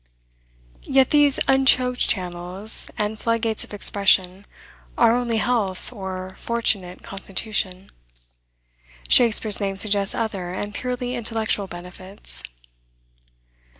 Yet these unchoked channels and floodgates of expression are only health or fortunate constitution. Shakspeare's name suggests other and purely intellectual benefits.